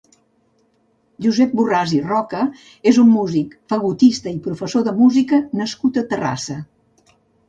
Josep Borràs i Roca és un músic, fagotista i professor de música nascut a Terrassa.